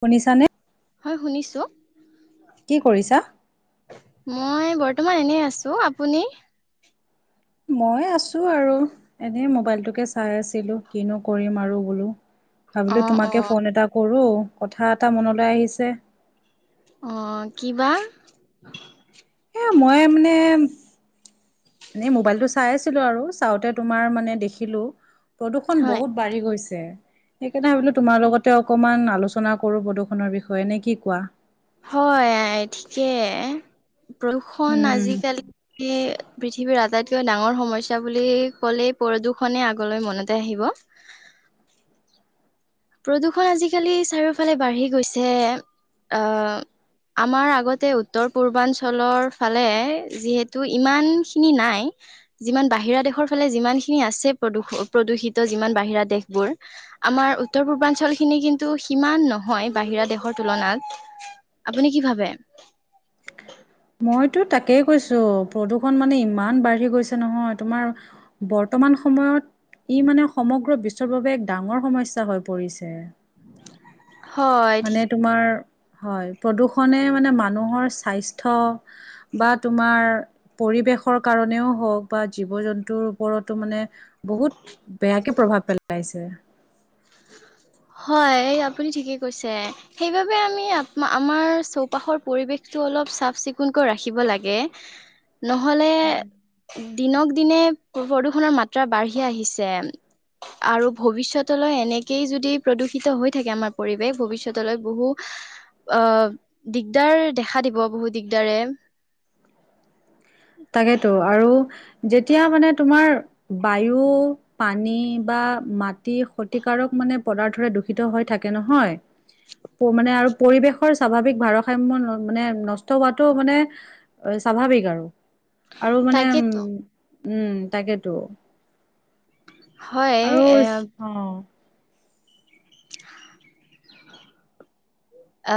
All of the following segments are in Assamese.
শুনিছা নে? হয় শুনিছো কি কৰিছা? মই বত বৰ্তমান এনেই আছো আপুনি? মই আছো আৰু এনেই মোবাইলটোকে চাই আছিলো কিনো কৰিম আৰু বোলো, অ ভাবিলো অ তোমাকে ফোন এটা কৰো কথা এটা মনলৈ আহিছে- আহ কি বা মই মানে এনে মোবাইলতটো চাই আছিলো আৰু চাওঁতে তোমাৰ মানে দেখিলো প্ৰদূষণ হয় বহুত বাঢ়ি গৈছে সেই কাৰনে ভাবিলো তোমাৰ লগতে অকমান আলোচনা কৰো প্ৰদূষনৰ বিষয়ে নে কি কোৱা? হয় ঠিকেই প্ৰদূষণ উম। আজিকালি পৃথিৱীৰ আটাইতকৈ ডাঙৰ সমস্যা বুলি ক'লেই প্ৰদূষনে আগলৈ মনতে আহিব, [inaudible] প্ৰদূষণ আজিকালি চাৰিওফালে বাঢ়ি গৈছে আহ আমাৰ আগতে উত্তৰ পূৰ্বাঞ্চলৰ ফালে যিহেতু ইমানখিনি নাই যিমান বাহিৰা দেশৰ ফালে যিমান খিনি আছে প্ৰদূষ প্ৰদূষিত যিমান বাহিৰা দেশবোৰ আমাৰ উত্তৰ পূৰ্বাঞ্চলখিনি কিন্তু সিমান নহয় বাহিৰা দেশৰ তুলনাত আপুনি কি ভাবে? [inaudible] মইতো তাকেই কৈছো প্ৰদূষণ মানে ইমান বাঢ়ি গৈছে নহয় তোমাৰ বৰ্তমান সময় সময়ত ই মানে সমগ্ৰ বিশ্বৰ বাবে এক ডাঙৰ সমস্যা হৈ পৰিছে। হয় মানে ঠিক তোমাৰ হয় প্ৰদূৰষণে মানে মানুহৰ স্বাস্থ্য বা তোমাৰ পৰিবেশ শৰ কাৰণেও হওক বা জীৱ জন্তুৰ ওপৰতো মানে বহুত বেয়াকে প্ৰভাৱ পেলাইছে। হয় আপুনি ঠিকেই কৈছে সেইবাবে আমি আমাৰ চৌপাশৰ পৰিৱেশটো অলপ চাফ চিকুণকৈ ৰাখিব লাগে নহলে দিনক দিনে প্ৰদূষণৰ মাত্ৰা বাঢ়ি আহিছে। আৰু ভৱিষ্যতলৈ এনেকে যদি প্ৰদূষিত হৈ থাকে আমাৰ পৰিৱেশ ভৱিষ্যতলৈ বহু আহ দিগদাৰ দেখা দিব বহুত দিগদাৰে তাকেতো আৰু যেতিয়া মানে তোমাৰ বায়ু পানী বা মাটি ক্ষতিকাৰক মানে পদাৰ্থৰে দূষিত হৈ থাকে নহয়, মানে আৰু পৰি স্বাভাৱিক আৰু আৰু মানে তাকেতো উ উম তাকেতো। হয় আৰু এ। অ অ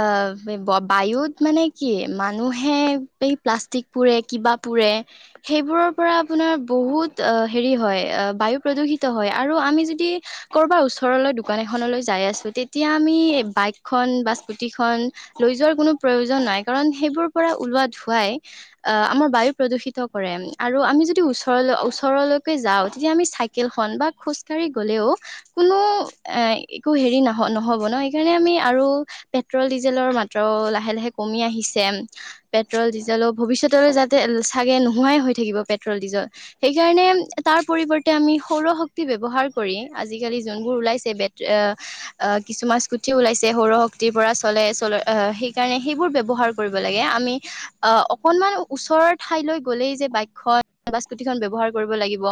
বায়ুত মানে কি মানুহে এই প্লাষ্টিক পুৰে কিবা পুৰে সেইবোৰৰ পৰা আপোনাৰ বহুত হেৰি হয় বায়ু প্ৰদূষিত হয়। আৰু আমি যদি কৰ'ৰবাৰ ওচৰলৈ দোকান এখনলৈ যাই আছো তেতিয়া আমি বাইকখন বা [unintelligible] লৈ যোৱাৰ কোনো পয়োজন নাই কাৰণ সেইবোৰ পৰাই উঠোৱা ধূৱাই আমাৰ বায়ু প্ৰদূষিত কৰে আৰু আমি যদি ওচৰলৈ ওচৰলৈকে যাওঁ তেতিয়া আমি চাইকেলখন বা খোজ় গ'লেও কোনো এ একো হেৰি নহ নহব ন সেইকাৰণে আমি আৰু পেট্ৰল ডিজেলৰ মাত্ৰাও লাহে লাহে কমি আহিছে পেট্ৰল ডিজেলো ভৱিষ্যতলৈ যাতে চাগে নোহোৱা ই হৈ থাকিব পেট্ৰল ডিজেল সেইকাৰণে তাৰ পৰিবৰ্তে আমি সৌৰশক্তি ব্যবহাৰ কৰি আজিকালি যোনবোৰ ওলাইছে, বেট অ আ কিছু্ুমান স্কুতি ওলাইছে সৌৰশক্তি পৰা সেইকাৰণে সেইবোৰ ব্যৱহাৰ কৰিব লাগে আমি অক ঠাইলৈ গ'লেই যে বাইকখন বাছকুটি খ ব্যৱহাৰ কৰিব লাগিব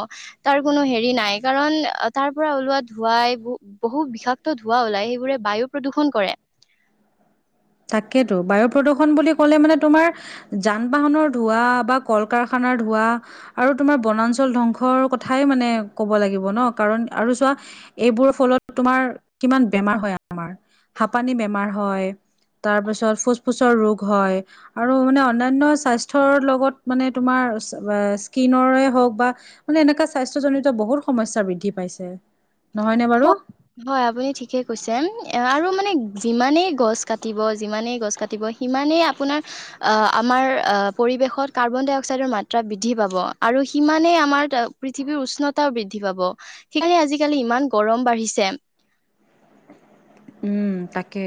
তাৰ কোনো হেৰি নাই কাৰণ তাৰ পৰা ওলোৱা ধোঁৱাই বহু বিষাক্ত ধোঁৱা ওলাই সেইবোৰে বায়ু প্ৰদূষন কৰে। [inaudible] তাকেতো বায়ু প্ৰদূৰণ বুলি ক'লে মানে তোমাৰ যান বাহনৰ ধোঁৱা বা কল কাৰখানাৰ ধূৱা আৰু তোমাৰ বনাঞ্চল ধংসৰ কথাই মানে ক'ব লাগিব ন কাৰণ সাঁ এইবোৰ ফলত তোমাৰ কিমান বেমাৰ হয় আমাৰ হাপানি বেমাৰ হয় তাৰ পিছত ফুচ ফুচৰ ৰোগ হয় আৰু মানে অন্যান্য স্বাস্থ্যৰ লগত মানে তোমাৰ স্কিনৰৰে হওক বা মানে এনেকা স্বাস্থ্য জনিত বহুত সমস্যা বৃদ্ধি পাইছে নহয়নে বাৰু হয় হয় আপুনি ঠিকে কৈছে আৰু মানে যিমানেই গছ কাটিব যিমানেই গছ কাটিব। ইমানেই আপোনাৰ আমাৰ পৰিৱেশত কাৰ্বন ডাই অক্সাইডৰ মাত্ৰা বৃদ্ধি পাব, আৰু সিমানে আমাৰ পৃথিৱীৰ উষ্ণতাও বৃদ্ধি পাব। সেইকাৰণে আজি আজিকালি ইমান গৰম বাঢ়িছে উ তাকে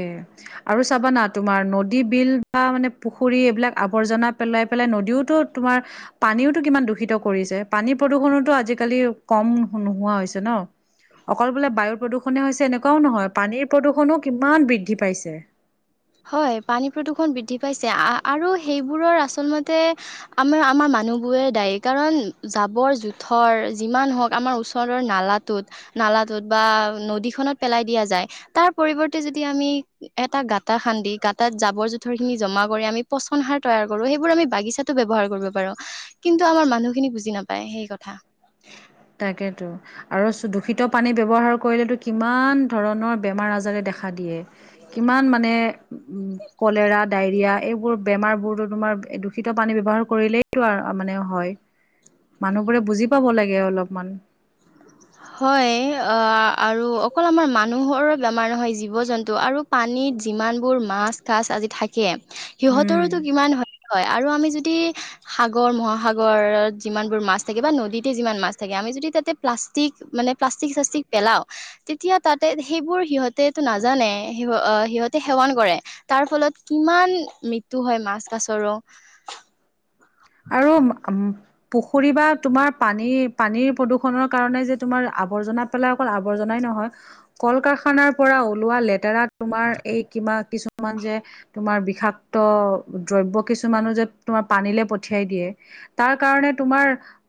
আৰু চাবানা তোমাৰ নদী বিল বা মানে পুখুৰী এইবিলাক আৱৰ্জনা পেলাই পেলাই নদীওতো তোমাৰ পানীওতো কিমান দূষিত কৰিছে পানী প্ৰদূষণো আজি কালি কম নোহোৱা হৈছে ন অকল বোলে বায়ুৰ প্ৰদূষণে হৈছে এনেকুৱাও নহয়, পানীৰ প্ৰদূষণো কিমান বৃদ্ধি পাইছে। হয় পানী প্ৰদূৰ্ষণ বৃদ্ধি পাইছে আৰু সেইবোৰৰ আচলতে আমাৰ আমাৰ ম মানুহবোৰে দায়ী কাৰণ জাবৰ যুথৰ যিমান হওক আমাৰ ওচৰৰ নালা টোত নালাটোত বা নদীখনত পেলাই দিয়া যায়, তাৰ পৰিৱৰ্তে যদি আমি এটা গাত গাটা খান্দি গাঁত জাবৰ জোথৰখিনি জমা কৰি আমি পচন সাৰ তৈয়াৰ কৰোঁ, সেইবোৰ আমি বাগিচাটো ব্যৱহাৰ কৰিব পাৰোঁ। কিন্তু আমাৰ মানুহখিনি বুজি নাপায় সেই কথা। তাকেতো, আৰু দূষিত পানী ব্যৱহাৰ কৰিলেতো কিমান ধৰণৰ বেমাৰ আজাৰে দেখা খা দিয়ে, কিমান মানে কলেৰা দাইৰিয়া এইবোৰ বেমাৰ বোৰতো তোমাৰ দূষিত পানী ব্যৱহাৰ কৰিলেইতো মানে হয়। মানুহবোৰে বুজি পাব লাগে অলপমান [inaudible] হয় অ আৰু অকল আমাৰ মানুহৰে বেমাৰ নহয় জীৱ জন্তু আৰু পানীত যিমান বোৰ মাছ কাছ আদি থাকে উম সিহঁতৰোতো কিমান হয়। হয় আৰু আমি যদি সাগৰ মহাসাগৰত যিমান বোৰ মাছ থাকে বা নদীতে যিমান মাছ থাকে আমি যদি তাতে প মানে প্লাষ্টিক শ্লাষ্টিক পেলাওঁ, তেতিয়া তাতে সেইবোৰ হিহঁতে টো নাজানে। সিহঁতে সেৱন কৰে তাৰ ফলত কিমান মৃত্যু হয় মাছ কাছৰো আৰু পুখুৰী বা তোমাৰ পানী পানীৰ প্ৰদূষণৰ কাৰণে যে তোমাৰ আৱৰ্জনা পেলাই অকল আৱৰ্জনাই নহয় কল কাৰখানাৰ পৰা ওলোৱা লেতেৰা তোমাৰ এই কিবা কিছু কিছুমান যে তোমাৰ বিষাক্ত দ্ৰব্য কিছুমানো যে তোমাৰ পানীলে পঠিয়াই দিয়ে। তাৰ কাৰণে তোমাৰ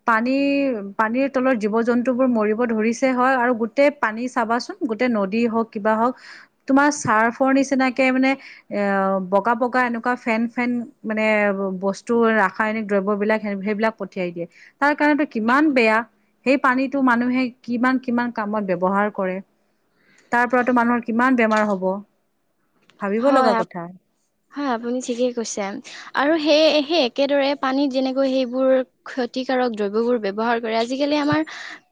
পানী পানীৰ তলত জীৱ-জন্তু মৰিব ধৰিছে হয়। আৰু গোটেই পানী চাবাচোন। গোটেই নদী হওক কিবা হওক তোমাৰ চাৰ্ফৰ নিচিনাকে মানে এ বগা বগা এনেকুৱা ফেন ফেন মানে বস্তু ৰাসায়নিক দ্ৰব্যবলাক সেইবিলাক পঠিয়াই দিয়ে। তাৰ কাৰণটো কিমান বেয়া সেই পানীতো মানুহে কিমান কিমান কামত ব্যৱহাৰ কৰে। তাৰ পৰাতো মানুহৰ কিমান বেমাৰ হ'ব। ভাবিব হয় লগা কথা হয়। আপুনি ঠিকেই কৈছে আৰু সেই সেই একেদৰে পানীত যেনেকৈ সেইবোৰ ক্ষতিকাৰক দ্ৰব্যবোৰ ব্যৱহাৰ কৰে আজিকালি আমাৰ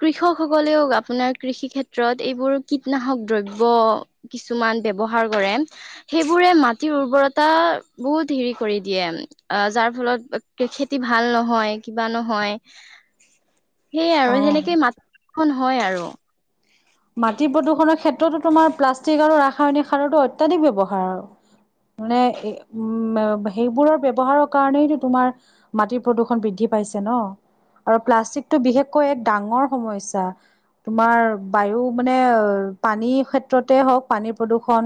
কৃষক সকলেও আপোনাৰ কৃষি ক্ষেত্ৰত এইবোৰ কীটনাশক দ্ৰব্য কিছুমান ব্যৱহাৰ কৰে। সেইবোৰে মাটিৰ উৰ্বৰতা বহুত হেৰি কৰি দিয়ে। আহ যাৰ ফলত খেতি ভাল নহয় কিবা নহয় সেইয়া অ আৰু সেনেকে মাতখন হয় আৰু। মাটি প্ৰদূষণৰ ক্ষেত্ৰতো তোমাৰ প্লাষ্টিক আৰু ৰাসায়নিক সাৰতো অত্যাধিক ব্যৱহাৰ আৰু। মানে উম সেইবোৰ ব্যৱহাৰৰ কাৰণেইতো তোমাৰ মাটিৰ প্ৰদূষণ বৃদ্ধি পাইছে ন। প্লাষ্টিকটো বিশেষকৈ ডাঙৰ সমস্যা, তোমাৰ বায়ু মানে পানীৰ ক্ষেত্ৰতে হওক পানীৰ প্ৰদূৰ্ষন,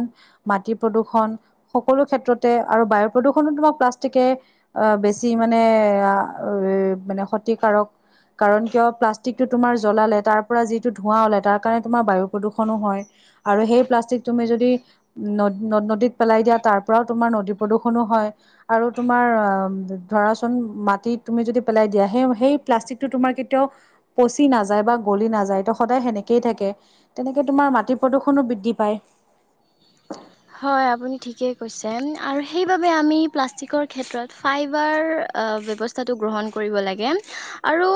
মাটি প্ৰদূৰ্ষন সকলো ক্ষেত্ৰতে আৰু বায়ু প্ৰদূষণত তোমাক প্লাষ্টিকে অ বেছি মানে মানে ক্ষতিকাৰক। কাৰণ কিয় প্লাষ্টিকটো তোমাৰ জলালে তাৰ পৰা যিটো ধোঁৱা ওলাই তাৰ কাৰণে তোমাৰ বায়ু প্ৰদূষণো হয়। আৰু সেই প্লাষ্টিক তুমি যদি নদ-নদীত পেলাই দিয়া। তাৰ পৰাও তোমাৰ নদী প্ৰদূষণো হয়। আৰু তোমাৰ অ ধৰাচোন মাটিত তুমি যদি পেলাই দিয়া। সেই সেই প্লাষ্টিকটো তোমাৰ পচি নাযায় বা গলি নাযায় ত সদায় সেনেকে একেই থাকে তেনেকে তোমাৰ মাটি প্ৰদূষনো বৃদ্ধি পায়। [unintelligible] হয় আপুনি ঠিকেই কৈছে। আৰু সেইবাবে আমি প্লাষ্টিকৰ ক্ষেত্ৰত ফাইবাৰ ব্যৱস্থাটো গ্ৰহণ কৰিব লাগে আৰু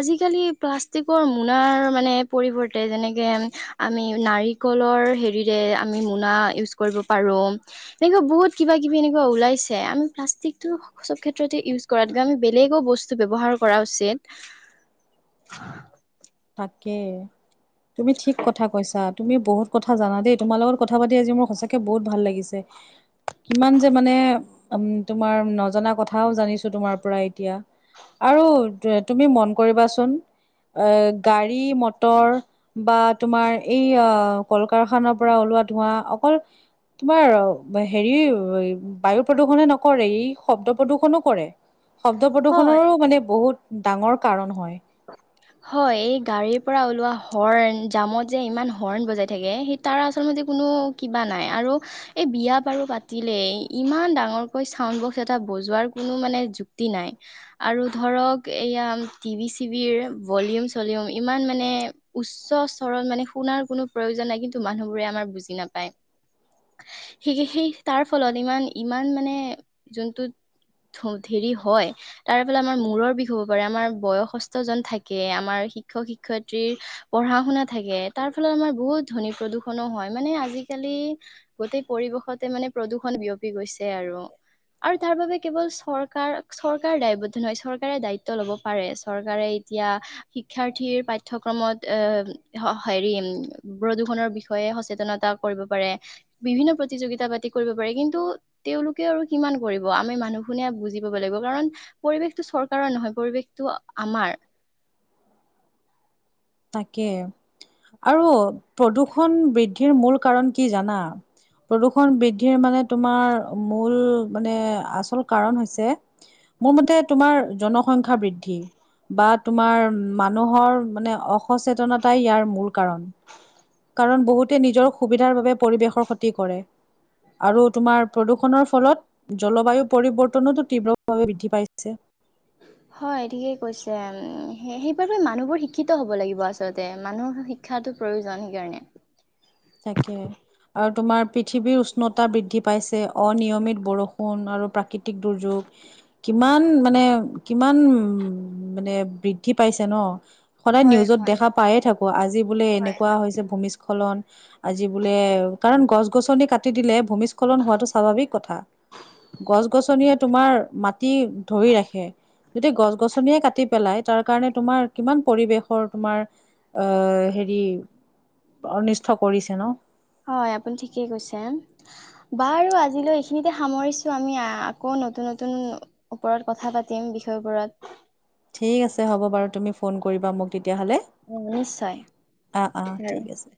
আজিকালি প্লাষ্টিকৰ মোনাৰ মানে পৰিৱৰ্তে যেনেকে আমি নাৰিক নাৰিকল ৰ হেৰি যে আমি মোনা উছ কৰিব পাৰো। এনেকে বহুত কিবা কিবি এনেকে বহুত ওলাইছে আমি প্লাষ্টিক চব ক্ষেত্ৰতে ইউজ কৰাতকৈ। আমি বেলেগো বস্তু ব্যয়ৱহাৰ কৰা উচিত। [unintelligible] তাকে তুমি ঠিক কথা কৈছা। তুমি বহুত কথা জানা দেই তোমাৰ লগত কথা পাতি আজি মোৰ সঁচাকে বহুত ভাল লাগিছে। কিমান যে মানে উম তোমাৰ নজনা কথাও জানিছো তোমাৰ পৰা এতিয়া। আৰু তুমি মন কৰিবাচোন এ গাড়ী মটৰ বা তোমাৰ এই কল কাৰখানাৰ পৰা ওলোৱা ধোৱা [unintelligible] তোমাৰ হেৰি বায়ু প্ৰদূৰ্ষনে নকৰে ই শব্দ প্ৰদূৰ্ষনো কৰে। শব্দ হয় প্ৰদূষণৰো মানে বহুত ডাঙৰ কাৰণ হয়। [unintelligible] হয়। এই গাড়ীৰ পৰা ওলোৱা হৰ্ণ জামত যে ইমান হৰ্ণ বজাই থাকে সেই তাৰ আচলতে মানে কোনো কিবা নাই আৰু এই বিয়া বাৰু পাতিলেই ইমান ডাঙৰকৈ চাউণ্ড বক্স এটা বজোৱা ৰ কোনো মানে যুক্তি নাই। আৰু ধৰক এইয়া টিভি টিভিৰ ভলিয়ম চলিয়ম ইমান মানে উচ্চ সৰল মানে শুনাৰ কোনো প্ৰয়োজন নাই। কিন্তু মানে মানুহবোৰে আমাৰ বুজি নাপায়। সেই সেই তাৰ ফলত ইমান ইমান মানে যোনটোত হম হেৰি হয়। তাৰ ফলত আমাৰ মূৰৰ বিষ হ'ব পাৰে আমাৰ বয়সস্থ জন থাকে, আমাৰ শিক্ষক-শিক্ষয়িত্ৰীৰ পঢ়া শুনা থাকে, তাৰ ফলত আমাৰ বহুত ধনী। প্ৰদূষণো হয় মানে আজিকালি গোটেই পৰিৱেশতে মানে প্ৰদূষণ বিয়পি গৈছে আৰু। আৰু তাৰ বাবে কেৱল চৰকাৰ চৰকাৰ দায়বদ্ধ নহয় চৰকাৰে দায়িত্ব ল'ব পাৰে। চৰকাৰে এতিয়া শিক্ষাৰ্থীৰ পাঠ্যক্ৰমত এ হেৰি প্ৰযু প্ৰদূষণৰ বিষয়ে সচেতনতা কৰিব পাৰে বিভিন্ন প্ৰতিযোগিতা পাতি কৰিব পাৰে কিন্তু তেওঁলোকে। আৰু কিমান কৰিব আমি মানুহ বোৰে বুজি পাব লাগিব কাৰণ পৰিৱেশটো চৰকাৰৰ নহয় পৰিৱেশটো। আমাৰ তাকে আৰু প্ৰদূ্ষণ বৃদ্ধিৰ মূল কাৰণ কি জানা? প্ৰদূষণ বৃদ্ধিৰ মানে তোমাৰ মূল মানে আচল কাৰণ হৈছে মোৰ মতে তোমাৰ জনসংখ্যাৰ বৃদ্ধি। বা তোমাৰ মানুহৰ মানে অসচেতনতাই ইয়াৰ মূল কাৰণ। কাৰণ বহুতে নিজৰ সুবিধাৰ বাবে পৰিৱেশৰ ক্ষতি কৰে। আৰু তোমাৰ প্ৰদূষণৰ ফলত জলবায়ু পৰিৱৰ্তনোতো তীব্ৰভাৱে বৃদ্ধি পাইছে। যে হয় ঠিকে কৈছে, সেইবাবে মানুহবোৰ শিক্ষিত হব লাগিব আচলতে মানুহ শিক্ষটো প্ৰয়োজন সেইকাৰণে। তাকে। আৰু তোমাৰ পৃথিৱীৰ উষ্ণতা বৃদ্ধি পাইছে অনিয়মিত বৰষুণ আৰু প্ৰাকৃতিক দুৰ্যোগ কিমান মানে কিমান মানে বৃদ্ধি পাইছে ন! সদায় হয় নিউজত হয় দেখা পায়ে থাকো আজি বোলে হয় এনেকুৱা হয়। হৈছে ভূমিস্খলন আজি বোলে কাৰণ গছ গছনি কাটি দিলে ভূমিস্খলন হোৱাটো স্বাভাৱিক কথা। গছ-গছনিয়ে তোমাৰ মাটি ধৰি ৰাখে। যদি গছ গছনিয়ে কাটি পেলাই তাৰ কাৰণে তোমাৰ কিমান পৰিৱেশৰ তোমাৰ আহ হেৰি অনিষ্ট কৰিছে ন! হয় আপুনি ঠিকেই কৈছে বাৰু আজিলৈ এইখিনিতে সামৰিছো আমি আকৌ নতুন নতুন ওপৰত কথা পাতিম বিষয়বোৰত। ঠিক আছে হ'ব বাৰু তুমি ফোন কৰিবা মোক। তেতিয়াহ'লে নিশ্চয়। অঁ অঁ বাৰু ঠিক আছে।